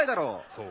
そう？